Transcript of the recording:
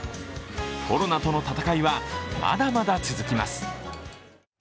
コロナとの戦いはまだまだ続きます。